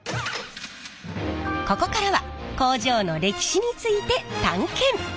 ここからは工場の歴史について探検！